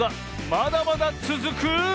まだまだつづく。